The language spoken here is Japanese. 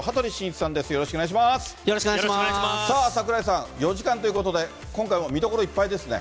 さあ、櫻井さん、４時間ということで、今回も見どころいっぱいですね。